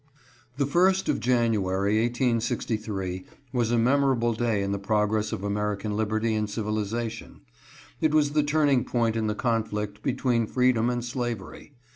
THE first of January, 1863, was a memorable day in the progress of American liberty and civilization. It was the turning point in the conflict between freedom and slavery.